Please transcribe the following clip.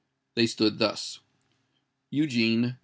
They stood thus:— EUGENE.